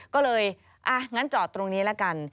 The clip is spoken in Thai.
ก็เลยอ่ะงั้นจอดตรงนี้ละกัน